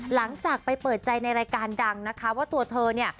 หลังจากไปเปิดใจในรายการดังนะคะว่าตัวเธอเนี่ย